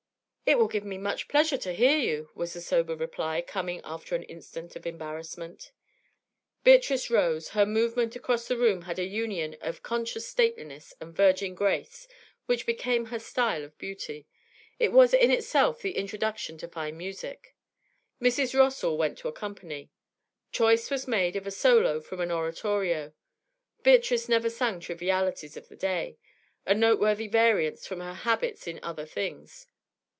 'It will give me much pleasure to hear you,' was the sober reply, coming after an instant of embarrassment. Beatrice rose. Her movement across the room had a union of conscious stateliness and virgin grace which became her style of beauty; it was in itself the introduction to fine music. Mrs. Rossall went to accompany. Choice was made of a solo from an oratorio; Beatrice never sang trivialities of the day, a noteworthy variance from her habits in other things.